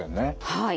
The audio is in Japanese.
はい。